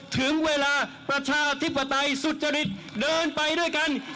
ถึงเวลาประชาธิปไตยสุจริตเดินไปด้วยกัน